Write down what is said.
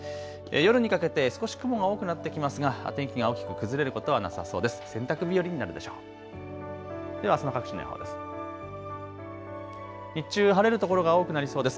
夜にかけて少し雲が多くなってきますが天気が大きく崩れることはなさそうです。